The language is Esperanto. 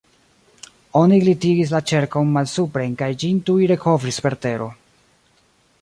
Oni glitigis la ĉerkon malsupren kaj ĝin tuj rekovris per tero.